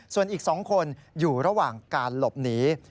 ส่วนอีก๒คนอยู่ระหว่างการหลบหนี